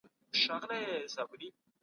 شراب په هر وخت کي خرڅیږي.